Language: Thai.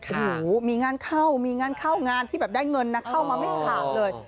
โอ้โหมีงานเข้ามีงานเข้างานที่แบบได้เงินนะเข้ามาไม่ขาดเลย